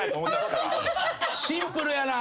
シンプルやな。